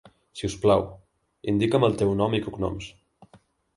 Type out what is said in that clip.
Si us plau, indica'm el teu nom i cognoms.